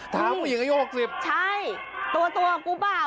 ถามผู้หญิงอายุหกสิบใช่ตัวกูเปล่า